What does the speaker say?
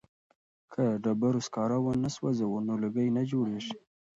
که ډبرو سکاره ونه سوځوو نو لوګی نه جوړیږي.